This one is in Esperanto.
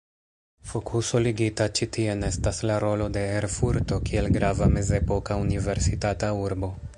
Fokuso ligita ĉi tien estas la rolo de Erfurto kiel grava mezepoka universitata urbo.